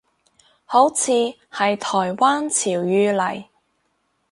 好似係台灣潮語嚟